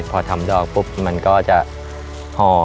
พอทำดอกปุ๊บมันก็จะห่อ